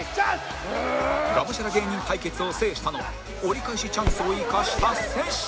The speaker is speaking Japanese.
ガムシャラ芸人対決を制したのは折り返しチャンスを生かした瀬下